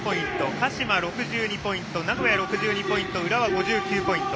鹿島、６２ポイント名古屋、６２ポイント浦和、５９ポイント。